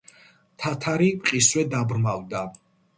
თათარი მყისვე დაბრმავდა.